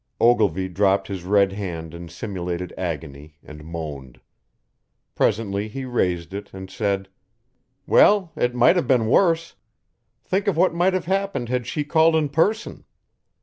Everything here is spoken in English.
Ogilvy dropped his red head in simulated agony and moaned. Presently he raised it and said: "Well, it might have been worse. Think of what might have happened had she called in person.